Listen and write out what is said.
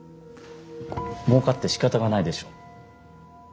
もうかってしかたがないでしょう？